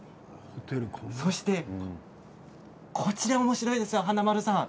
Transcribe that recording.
そして、こちらおもしろいですよ、華丸さん。